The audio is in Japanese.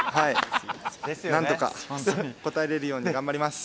なんとか応えれるように頑張ります。